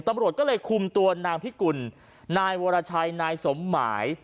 ตำรวจก็เลยคุมตัวนางพิกุลนายวรชัยนายสมหมาย